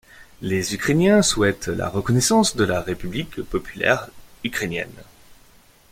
Les Ukrainiens souhaitent la reconnaissance de la république populaire ukrainienne.